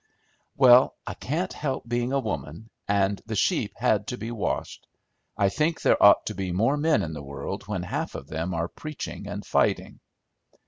"Well, I can't help being a woman, and the sheep had to be washed. I think there ought to be more men in the world when half of them are preaching and fighting."